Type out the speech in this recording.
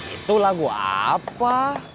itu lagu apa